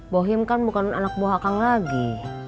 bohim kan bukan anak buah kan lagi